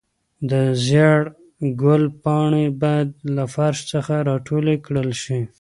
د زېړ ګل پاڼې باید له فرش څخه راټولې کړل شي.